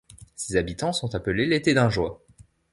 Ses habitants sont appelés les Thédingeois.